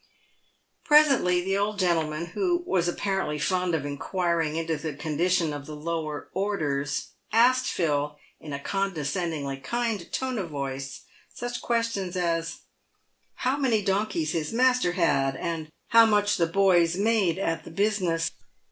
Presently the old gentleman, who was apparently fond of inquiring into the condition of the lower orders, asked Phil, in a condescend ingly kind tone of voice, such questions as " How many donkeys hia master had, and how much the boys made at the business